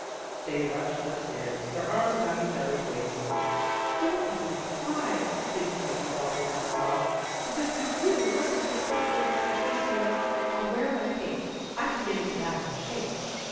" They rushed upstairs, their arms about each other's waists.' " Don't make me cry," pleaded Peggy, gulping down a sob, " because I really mustn't take tune to wash my face, you know. I'll wear my pink; I can get into that in a shake."